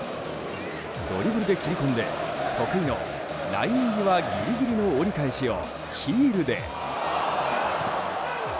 ドリブルで切り込んで得意のライン際ギリギリの折り返しをヒールで！